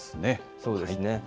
そうですね。